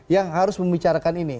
yang harus membicarakan ini